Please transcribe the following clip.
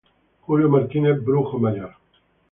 Julio Martínez -Brujo mayor-.